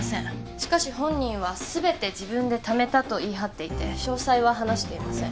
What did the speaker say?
しかし本人は「すべて自分でためた」と言い張り詳細は話していません